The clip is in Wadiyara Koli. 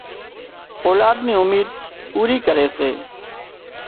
اولاد نِي اميد پوري ڪري سي